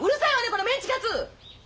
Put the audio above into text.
このメンチカツ！